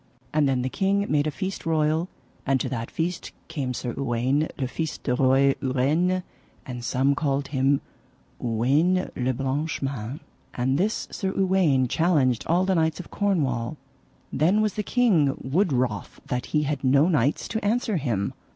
And then the king made a feast royal, and to that feast came Sir Uwaine le Fise de Roy Ureine, and some called him Uwaine le Blanchemains. And this Sir Uwaine challenged all the knights of Cornwall. Then was the king wood wroth that he had no knights to answer him.